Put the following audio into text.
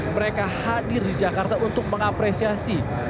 mereka hadir di jakarta untuk mengapresiasi